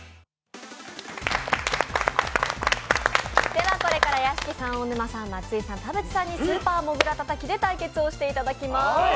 ではこれから屋敷さん大沼さん、松井さん田渕さんに「スーパーモグラたたき」で対決をしていただきます。